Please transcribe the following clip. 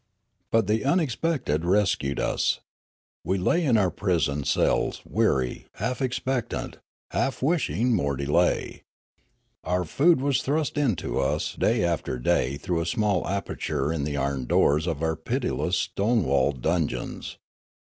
But the unexpected rescued us. We lay in our prison cells, weary, half expectant, half wishing more delay. Our food was thrust in to us day after day through a small aperture in the iron doors of our pitiless stone walled dungeons.